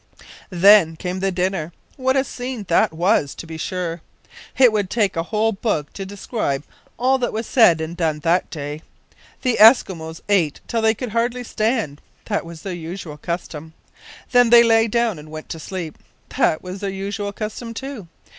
Then came the dinner. What a scene that was, to be sure! It would take a whole book to describe all that was said and done that day. The Eskimos ate till they could hardly stand that was their usual custom. Then they lay down and went to sleep that was their usual custom, too.